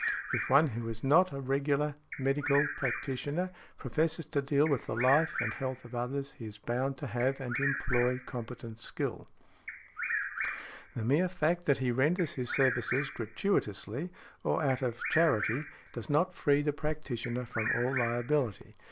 If one who is not a regular medical practitioner professes to deal with the life and health of others, he is bound to have and employ competent skill . The mere fact that he renders his services gratuitously, or out of charity, does not free the practitioner from all liability.